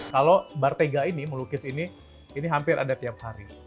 kalau bartega ini melukis ini ini hampir ada tiap hari